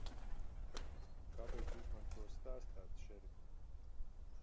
Kāpēc Jūs man to stāstāt, šerif?